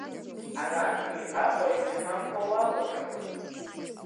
Арантәи Аҟәа ицәгьамкәа уалаԥшуан.